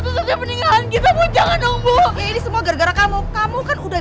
kemana ibu mau gade ini motor dah